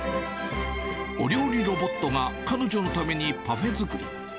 お料理ロボットが彼女のためにパフェ作り。